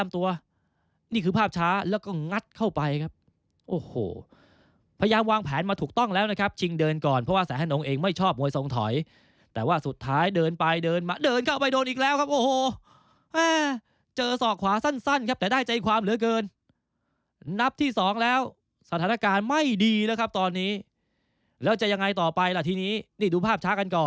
ไม่รู้มาจากไหนเนี่ยจังหวะนี้เลยครับ